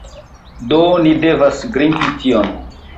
Do ni devas grimpi tion.